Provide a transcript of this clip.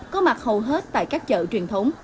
có mặt hầu hết tại các chợ truyền thống